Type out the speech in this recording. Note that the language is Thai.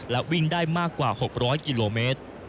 และวิ่งได้มากกว่า๖๐๐กิโลเมตร